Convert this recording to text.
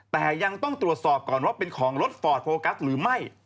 แต่ยังต้องตรวจสอบก่อนว่าเป็นของรถฟอร์ดโฟกัสหรือไม่